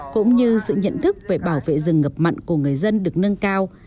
cũng như sự nhận thức về bảo vệ rừng ngập mặn của người dân được nâng cao